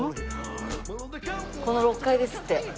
この６階ですって。